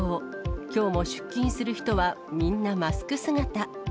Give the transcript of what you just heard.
きょうも出勤する人はみんなマスク姿。